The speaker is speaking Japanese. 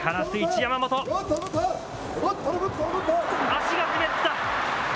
足が滑った。